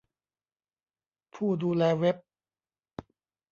ผู้ดูแลเว็บ